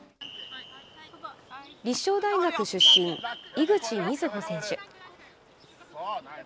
立正大学出身、井口瑞穂選手。